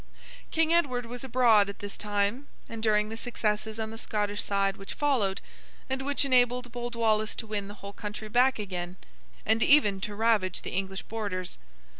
King Edward was abroad at this time, and during the successes on the Scottish side which followed, and which enabled bold Wallace to win the whole country back again, and even to ravage the English borders.